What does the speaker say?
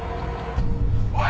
おい！